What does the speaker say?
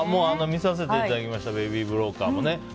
見させていただきました「ベイビー・ブローカー」も。